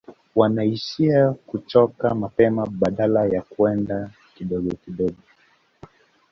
Wanaishia kuchoka mapema badala ya kwenda kidogo kidogo